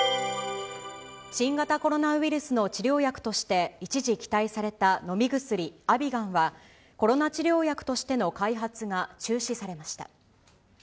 新型コロナウイルスの治療薬として一時期待された飲み薬、アビガンは、コロナ治療薬としての開発が中止されました。